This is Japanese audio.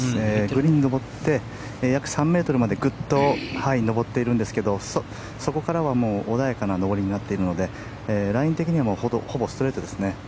グリーンに上って約３ｍまでグッと上っているんですがそこからは穏やかな上りになっているのでライン的にもほぼストレートですね。